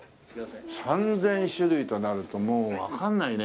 ３０００種類となるともうわかんないね